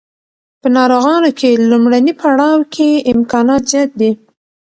په ناروغانو کې لومړني پړاو کې امکانات زیات دي.